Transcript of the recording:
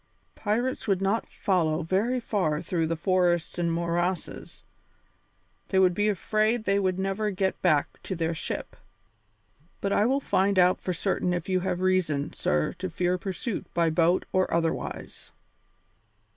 Pirates would not follow very far through those forests and morasses; they would be afraid they would never get back to their ship. But I will find out for certain if you have reason, sir, to fear pursuit by boat or otherwise."